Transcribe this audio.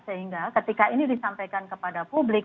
sehingga ketika ini disampaikan kepada publik